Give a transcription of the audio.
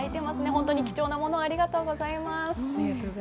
本当に貴重なものをありがとうございます。